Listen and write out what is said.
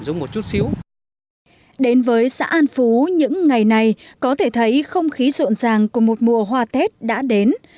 đến với xã an phú những ngày này có thể thấy không khí rộn ràng của một mùa hoa tết đã đến